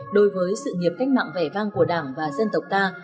đối với sự nghiệp cách mạng vẻ vang của đảng và dân tộc ta